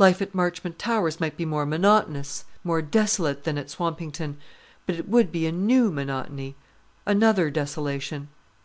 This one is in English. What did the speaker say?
Life at Marchmont Towers might be more monotonous, more desolate, than at Swampington; but it would be a new monotony, another desolation.